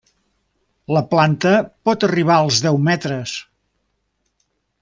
La planta pot arribar als deu metres.